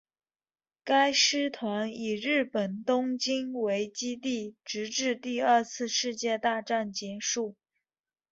该师团以日本东京为基地直至第二次世界大战结束。